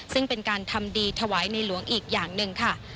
ซึ่งเป็นการทำดีถวายในหลวงอีกอย่างหนึ่งค่ะ